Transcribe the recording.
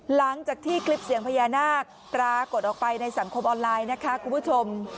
หลังจากที่คลิปเสียงพญานาคปรากฏออกไปในสังคมออนไลน์นะคะคุณผู้ชม